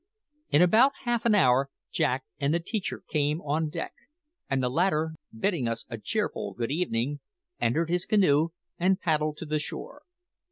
In about half an hour Jack and the teacher came on deck, and the latter, bidding us a cheerful good evening, entered his canoe and paddled to the shore.